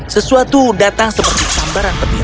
sesuatu datang seperti sambaran petir